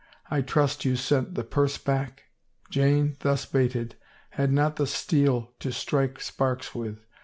... I trust you sent the purse back ?" Jane, thus baited, had not the steel to strike sparks with.